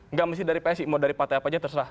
nggak mesti dari psi mau dari partai apa aja terserah